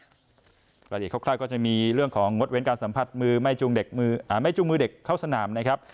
รายละเอียดคร่าวก็จะมีเรื่องของงดเว้นการสัมผัสมือไม่จูงมือเด็กเข้าสนามนะครับ